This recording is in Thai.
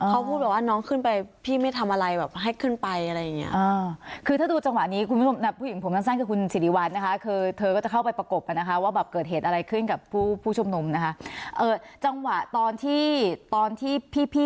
เขาพูดแบบว่าน้องขึ้นไปพี่ไม่ทำอะไรแบบให้ขึ้นไปอะไรอย่างนี้